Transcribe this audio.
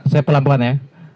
saya pelan pelan ya